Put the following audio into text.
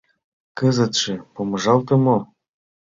Кызытше помыжалте мо?